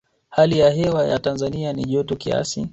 hali ya hewa ya tanzania ni joto kiasi